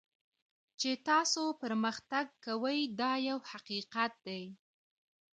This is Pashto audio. چې تاسو پرمختګ کوئ دا یو حقیقت دی.